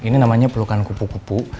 ini namanya pelukan kupu kupu